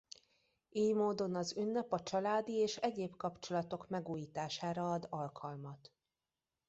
Ily módon az ünnep a családi és egyéb kapcsolatok megújítására ad alkalmat.